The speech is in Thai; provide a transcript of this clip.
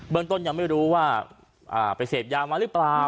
เมืองต้นยังไม่รู้ว่าไปเสพยามาหรือเปล่า